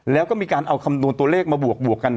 แล้วก็มีการเอาคำนวณตัวเลขมาบวกกัน